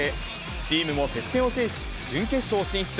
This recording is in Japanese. チームも接戦を制し、準決勝進出。